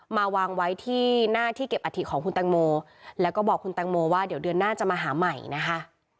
มาวางไว้ที่หน้าที่เก็บอาถิของคุณแตงโมแล้วก็บอกคุณแตงโมว่าเดี๋ยวเดือนหน้าจะมาหาใหม่นะคะ